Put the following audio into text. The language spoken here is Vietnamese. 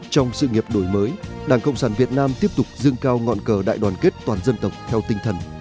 trong sự nghiệp đổi mới đảng cộng sản việt nam tiếp tục dương cao ngọn cờ đại đoàn kết toàn dân tộc theo tinh thần